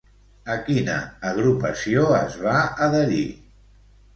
A quina agrupació es va adherir?